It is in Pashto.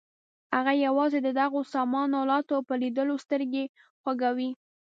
هغه یوازې د دغو سامان الاتو په لیدلو سترګې خوږوي.